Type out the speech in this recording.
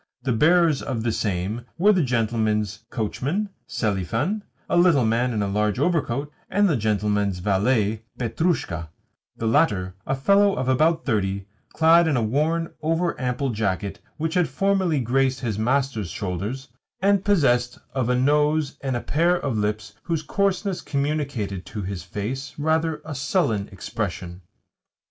The bearers of the same were the gentleman's coachman, Selifan (a little man in a large overcoat), and the gentleman's valet, Petrushka the latter a fellow of about thirty, clad in a worn, over ample jacket which formerly had graced his master's shoulders, and possessed of a nose and a pair of lips whose coarseness communicated to his face rather a sullen expression.